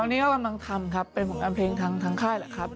ตอนนี้ก็กำลังทำครับเป็นผลงานเพลงทางค่ายแหละครับ